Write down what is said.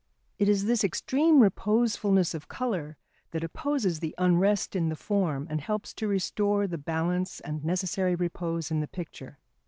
It is this extreme reposefulness of colour that opposes the unrest in the form and helps to restore the balance and necessary repose in the picture.